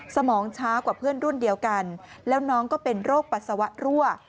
มองช้ากว่าเพื่อนรุ่นเดียวกันแล้วน้องก็เป็นโรคปัสสาวะรั่ว